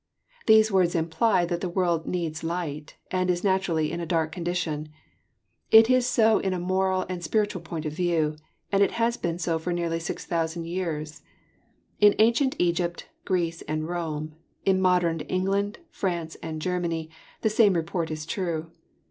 *' These words imply that the world needs light, and is naturally in a dark condition. It is so in a moral and spiritual point of view : and it has been so for nearly 6,000 years. In ancient Egypt, Greece, and Rome, in modern England, France, and Germany, the same report is true.